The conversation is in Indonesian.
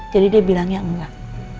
jadi dia bilangnya enggak